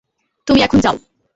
তুমি এখন যাও।